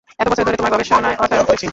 এতবছর ধরে, তোমার গবেষণায় অর্থায়ন করেছি।